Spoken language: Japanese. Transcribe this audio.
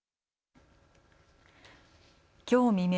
きょう未明